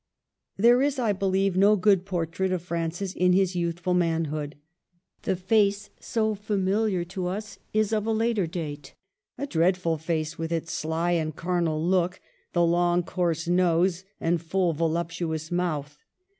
; There is, I believe, no good portrait of Francis | in his youthful manhood. The face so familian to us is of a later date, — a dreadful face, with its 1 sly and carnal look, the long coarse nose and j full voluptuous mouth.